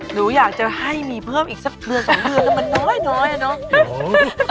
หนูอยากจะให้มีเพิ่มอีกสักเดือนสองเดือนแล้วมันน้อยอะเนาะ